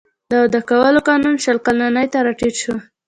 د واده کولو قانون شل کلنۍ ته راټیټ شو.